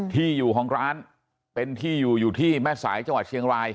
ที่อยู่ของร้านเป็นที่อยู่อยู่ที่แม่สายจังหวัดเชียงราย